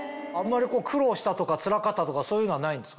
苦労したとかつらかったとかそういうのはないんですか？